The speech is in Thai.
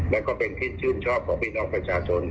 แล้วก็เป็นที่ชื่นชอบของพี่น้องประชาชน